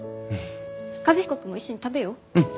和彦君も一緒に食べよう。